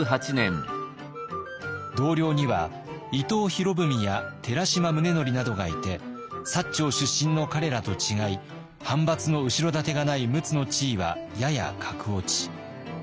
同僚には伊藤博文や寺島宗則などがいて長出身の彼らと違い藩閥の後ろ盾がない陸奥の地位はやや格落ち。